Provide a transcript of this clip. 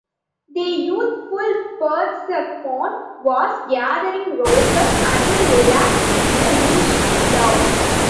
The youthful Persephone was gathering roses and lilacs in a lush meadow.